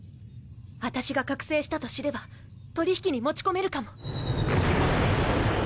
私が覚醒したと知れば取引に持ち込めるかも。